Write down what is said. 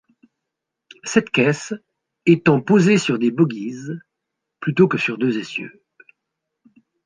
Cette caisse étant posée sur des bogies plutôt que sur deux essieux.